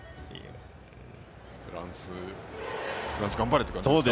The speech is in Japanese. フランス頑張れって感じですかね。